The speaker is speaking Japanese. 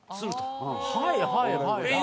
はいはいはいはい。